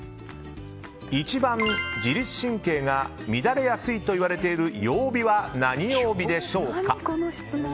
一番、自律神経が乱れやすいといわれている曜日は何曜日でしょうか。